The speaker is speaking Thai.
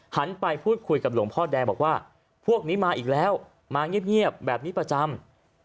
ไปพูดคุยกับหลวงพ่อแดงบอกว่าพวกนี้มาอีกแล้วมาเงียบแบบนี้ประจำ